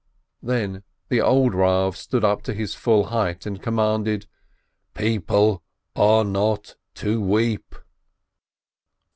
Then the old Eav stood up to his full height and commanded : "People are not to weep